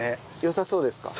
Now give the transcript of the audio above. よさそうですか？